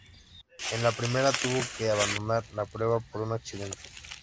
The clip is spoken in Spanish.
En la primera tuvo que abandonar la prueba por un accidente.